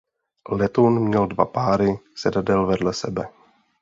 Letoun měl dva páry sedadel vedle sebe.